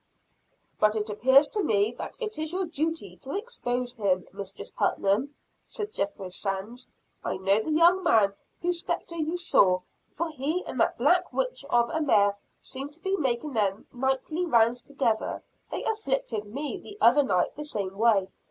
"But it appears to me that it is your duty to expose him, Mistress Putnam," said Jethro Sands. "I know the young man whose spectre you saw, for he and that black witch of a mare seem to be making their nightly rounds together. They 'afflicted' me the other night the same way.